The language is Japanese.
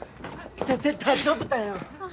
全然大丈夫だよ。